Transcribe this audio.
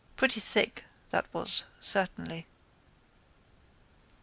Pretty thick that was certainly.